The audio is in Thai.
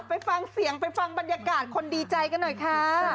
ไปฟังเสียงไปฟังบรรยากาศคนดีใจกันหน่อยค่ะ